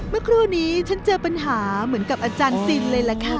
เมื่อครู่นี้ฉันเจอปัญหาเหมือนกับอาจารย์ซินเลยล่ะค่ะ